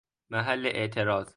محل اعتراض